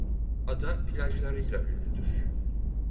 Ada plajlarıyla ünlüdür.